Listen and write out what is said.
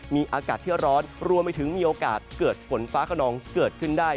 มีอากาศที่ร้อนรวมไปถึงมีโอกาสเกิดฝนฟ้าขนองเกิดขึ้นได้